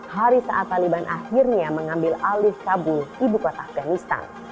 hari saat taliban akhirnya mengambil alih kabul ibu kota afganistan